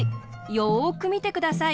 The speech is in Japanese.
よくみてください。